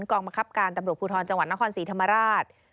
กองบังคับการตำรวจภูทรจังหวัดนครศรีธรรมราช